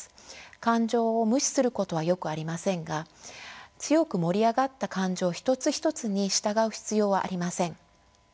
感情を無視することはよくありませんが強く盛り上がった感情一つ一つに従う必要はありません。